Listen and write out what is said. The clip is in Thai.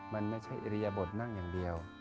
มันไม่ใช่อิริยบทนั่งอย่างเดียว